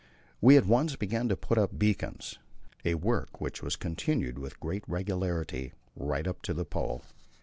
We at once began to put up beacons a work which was continued with great regularity right up to the Pole.